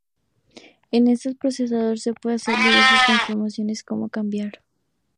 En este procesador se pueden hacer diversas transformaciones como cambiar